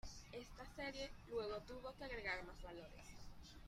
Esta serie luego tuvo que agregar mas valores.